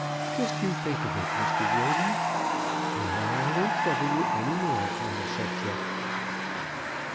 Just you think of it, Mr. Roden. And now I won't trouble you any more upon the subject."